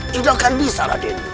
tidak akan bisa raden